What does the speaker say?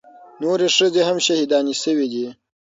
نورې ښځې هم شهيدانې سوې دي.